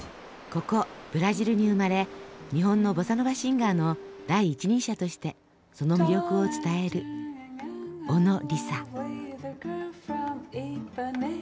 ここブラジルに生まれ日本のボサノバシンガーの第一人者としてその魅力を伝える小野リサ。